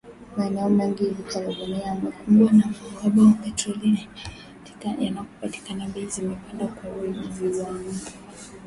Maeneo mengi hivi karibuni yamekumbwa na uhaba wa petroli na yanapopatikana, bei zimepanda kwa viwango vikubwa sana.